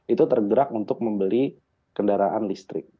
itu tergerak untuk membeli kendaraan listrik